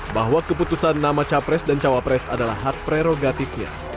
bahwa keputusan nama capres dan cawapres adalah hak prerogatifnya